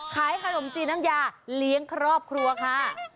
ขายขนมจีนน้ำยาเลี้ยงครอบครัวค่ะ